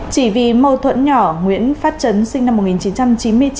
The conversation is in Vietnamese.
chỉ vì mâu thuẫn nhỏ nguyễn phát trấn sinh năm một nghìn chín trăm chín mươi chín